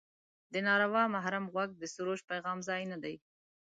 د ناروا محرم غوږ د سروش پیغام ځای نه دی.